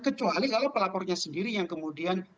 kecuali kalau pelapornya sendiri yang kemudian